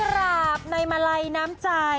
อ๋อกลาบในมาลัยน้ำจ่าย